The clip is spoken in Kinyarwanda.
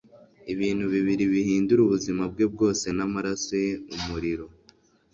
ibintu bibiri bihindura ubuzima bwe bwose n'amaraso ye umuriro